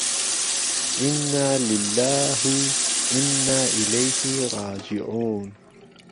ئیننا ليللاە و ئیننا ئیلهیهی ڕاجیعوون